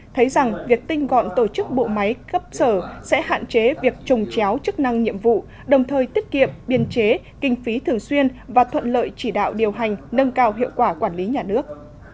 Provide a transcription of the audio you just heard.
thấy rằng việc tinh gọn tổ chức bộ máy cấp sở sẽ hạn chế việc trồng chéo chức năng nhiệm vụ đồng thời tiết kiệm biên chế kinh phí thường xuyên và thuận lợi chỉ đạo điều hành nâng cao hiệu quả quản lý nhà nước